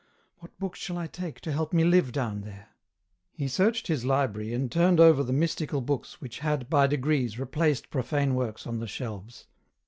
What books shall I take to help me to live down there ?" He searched his library, and turned over the mystical books, which had, by degrees, replaced profane works on the shelves.